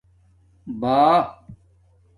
بݳ